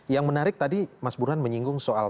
yang menarik tadi mas burhan menyinggung soal